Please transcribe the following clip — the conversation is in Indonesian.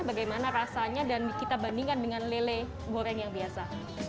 bagaimana rasanya dan kita bandingkan dengan lele goreng yang biasa